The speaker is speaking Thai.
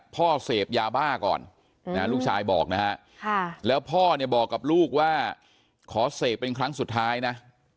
พ่อเสพยาบ้าก่อนลูกชายบอกนะฮะแล้วพ่อเนี่ยบอกกับลูกว่าขอเสพเป็นครั้งสุดท้ายนะ